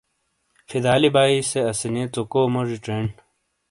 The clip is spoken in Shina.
فدا علی بھائی سے اسانئیے ژوکو موجی چینڈ۔